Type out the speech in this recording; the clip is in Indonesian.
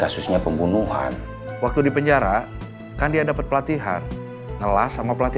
aku main satu yang ikut ama nama aku